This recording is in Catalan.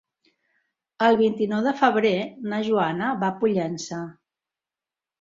El vint-i-nou de febrer na Joana va a Pollença.